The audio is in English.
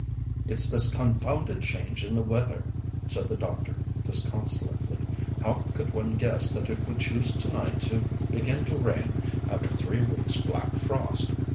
"It's this confounded change in the weather," said the doctor disconsolately. "How could one guess that it would choose tonight to begin to rain after three weeks' black frost?